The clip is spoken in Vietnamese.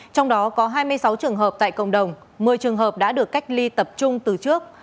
trong đó có hai mươi sáu trường hợp tại cộng đồng một mươi trường hợp đã được cách ly tập trung từ trước